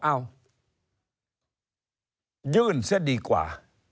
เอ้ายื่นเสียดีกว่า